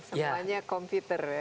semuanya komputer ya